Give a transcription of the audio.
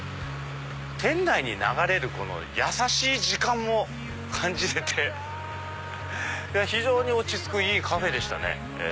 店内に流れる優しい時間も感じれて非常に落ち着くいいカフェでしたね。